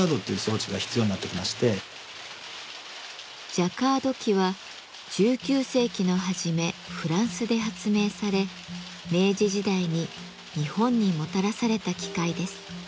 ジャカード機は１９世紀の初めフランスで発明され明治時代に日本にもたらされた機械です。